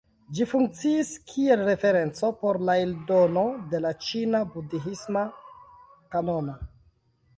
Ĝi funkciis kiel referenco por la eldono de la ĉina budhisma kanono.